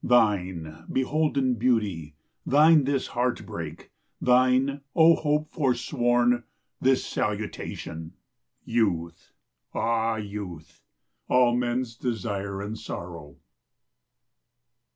Thine, beholden Beauty, thine this heart break, Thine, O Hope forsworn! this salutation, Youth, ah, Youth! all men's desire and sorrow.